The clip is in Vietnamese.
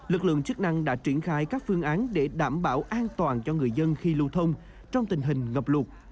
lực lượng chức năng đã triển khai các phương án để đảm bảo an toàn cho người dân khi lưu thông trong tình hình ngập lụt